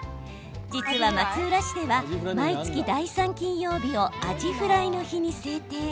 実は松浦市では毎月第３金曜日をアジフライの日に制定。